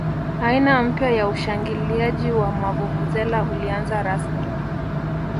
aina mpya ya ushangiliaji wa mavuvuzela ulianza rasmi